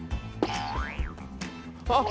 あっ。